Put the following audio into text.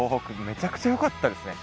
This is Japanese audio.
めちゃくちゃよかったですね。